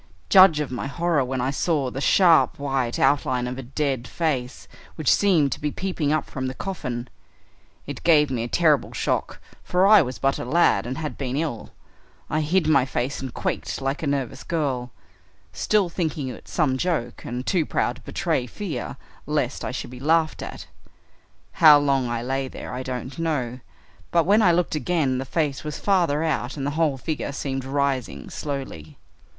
Judge of my horror when I saw the sharp white outline of a dead face, which seemed to be peeping up from the coffin. It gave me a terrible shock for I was but a lad and had been ill. I hid my face and quaked like a nervous girl, still thinking it some joke and too proud to betray fear lest I should be laughed at. How long I lay there I don't know, but when I looked again the face was farther out and the whole figure seemed rising slowly.